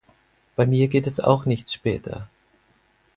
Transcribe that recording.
Bei mir geht es auch nicht später.